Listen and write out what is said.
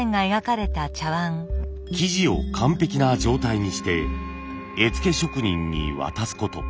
素地を完璧な状態にして絵付け職人に渡すこと。